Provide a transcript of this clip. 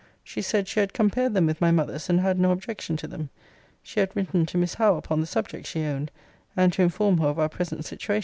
She said, she had compared them with my mother's, and had no objection to them. She had written to Miss Howe upon the subject, she owned; and to inform her of our present situation.